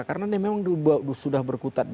karena memang sudah berkutat